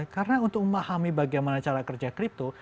karena untuk memahami bagaimana cara kerja crypto